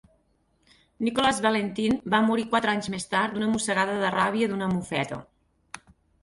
Nicholas Valentin va morir quatre anys més tard d'una mossegada de ràbia d'una mofeta.